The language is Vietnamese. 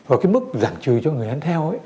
và cái mức giảm trừ cho người đánh theo